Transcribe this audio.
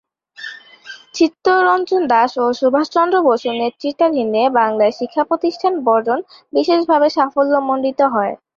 চিত্তরঞ্জন দাশ ও সুভাষচন্দ্র বসুর নেতৃত্বাধীনে বাংলায় শিক্ষা-প্রতিষ্ঠান বর্জন বিশেষভাবে সাফল্যমন্ডিত হয়।